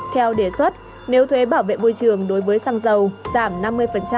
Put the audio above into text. theo đề xuất nếu thuế bảo vệ môi trường đối với xăng dầu giảm năm mươi